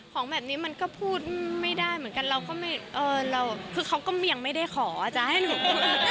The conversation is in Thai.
ของแบบนี้มันก็พูดไม่ได้เหมือนกันคือเขาก็ยังไม่ได้ขออาจารย์ให้หนู